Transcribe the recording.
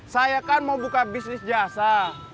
saya kan mau buka bisnis jasa